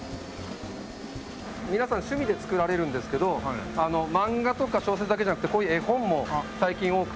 皆さん趣味で作られるんですけど漫画とか小説だけじゃなくてこういう絵本も最近多くて。